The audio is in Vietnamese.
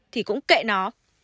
thì cũng kệ nó